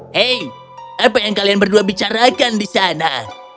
hei apa yang kalian berdua bicarakan di sana